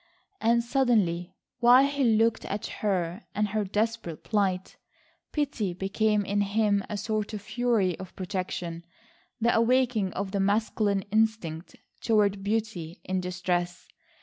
And suddenly while he looked at her and her desperate plight, pity became in him a sort of fury of protection, the awakening of the masculine instinct toward beauty in distress.